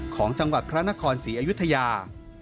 ของจังหวัดพระนครศรีอยุธยา